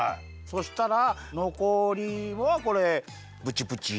そしたらのこりをこれブチブチ。